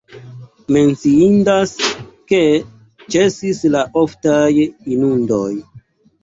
Menciindas, ke ĉesis la oftaj inundoj.